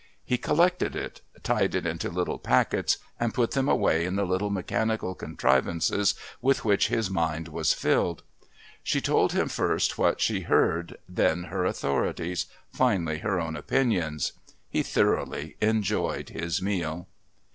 He collected it, tied it into little packets, and put them away in the little mechanical contrivances with which his mind was filled. She told him first what she heard, then her authorities, finally her own opinions. He thoroughly enjoyed his meal.